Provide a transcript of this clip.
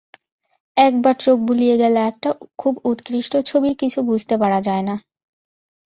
একবার চোখ বুলিয়ে গেলে একটা খুব উৎকৃষ্ট ছবির কিছু বুঝতে পারা যায় না।